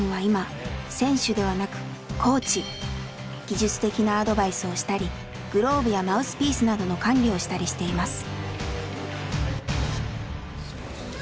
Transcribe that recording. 技術的なアドバイスをしたりグローブやマウスピースなどの管理をしたりしています。